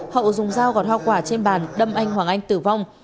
hậu dùng dao gọt hoa quả trên bàn đâm anh hoàng anh tử vong